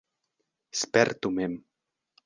Spertu mem!